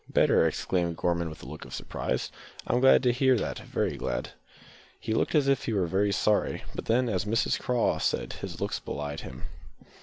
"Better!" exclaimed Gorman with a look of surprise, "I'm glad to hear that very glad." He looked as if he were very sorry, but then, as Mrs Craw said, his looks belied him.